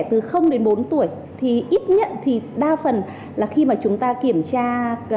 từ đến bốn tuổi thì ít nhất thì đa phần là khi mà chúng ta kiểm tra